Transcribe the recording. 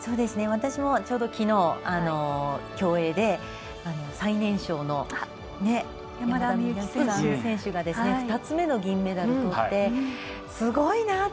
私もちょうど昨日、競泳で最年少の山田美幸選手が２つ目の銀メダルをとってすごいなって。